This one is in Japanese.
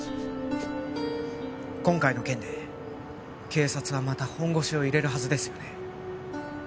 今回の件で警察はまた本腰を入れるはずですよね